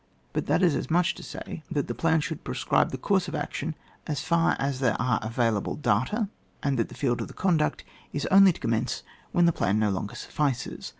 But that is as much as to say that the plan should prescribe the course of action as far as there are avail able data, and that the field of the con^ duct is only to commence where the plan no longer suffices.